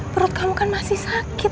perut kamu kan masih sakit